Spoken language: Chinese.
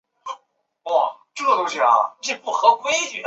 智力在狭窄的定义中是以智力测验来衡量。